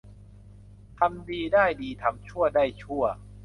ทำดีได้ดีทำชั่วได้ชั่ว